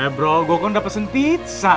eh bro gue kan udah pesen pizza